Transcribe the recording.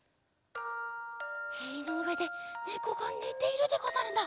へいのうえでねこがねているでござるな。